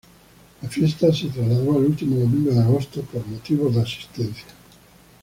La fiesta se trasladó al último domingo de agosto por motivos de asistencia.